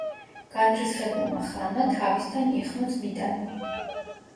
განრისხებულმა ხანმა თავისთან იხმო წმიდანი.